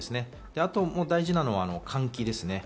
あと大事なのは換気です。